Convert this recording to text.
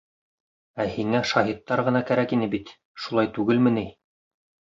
Ә һиңә шаһиттар ғына кәрәк ине бит, шулай түгелме ни?